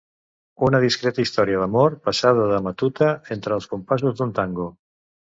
Una discreta història d'amor passada de matuta entre els compassos d'un tango.